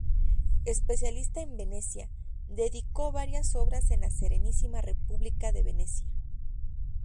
Especialista en Venecia, dedicó varias obras a la Serenísima República de Venecia.